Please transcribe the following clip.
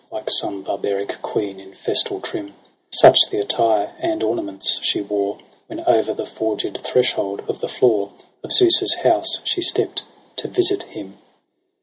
Like some barbaric queen in festal trim • Such the attire and ornaments she wore. When o'er the forged threshold of the floor Of Zeus's house she stept to visit him.